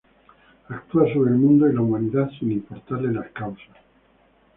Actúa sobre el mundo y la humanidad sin importarle las causas.